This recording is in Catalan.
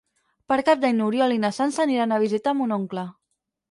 Per Cap d'Any n'Oriol i na Sança aniran a visitar mon oncle.